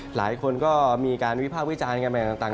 หลายคนก็มีการวิภาควิจารณ์กันมาต่างนานาก่อน